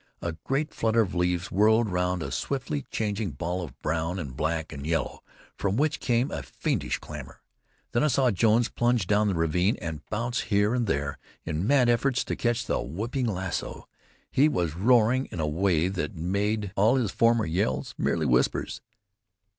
A great flutter of leaves whirled round a swiftly changing ball of brown and black and yellow, from which came a fiendish clamor. Then I saw Jones plunge down the ravine and bounce here and there in mad efforts to catch the whipping lasso. He was roaring in a way that made all his former yells merely whispers.